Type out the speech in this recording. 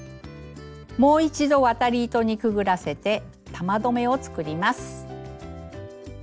もう一度渡り糸にくぐらせて玉留めを作ります。